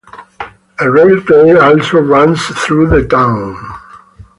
A rail trail also runs through the town.